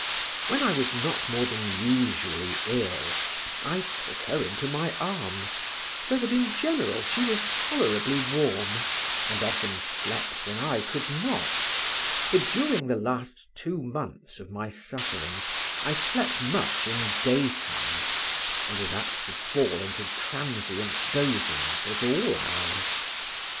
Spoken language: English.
When I was not more than usually ill I took her into my arms, so that in general she was tolerably warm, and often slept when I could not, for during the last two months of my sufferings I slept much in daytime, and was apt to fall into transient dosings at all hours.